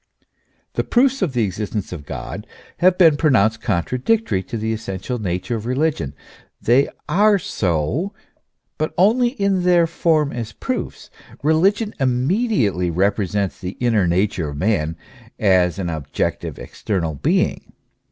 The proofs of the existence of God have been pronounced contradictory to the essential nature of religion. They are so ; but only in their form as proofs. Religion immediately repre sents the inner nature of man as an objective, external being.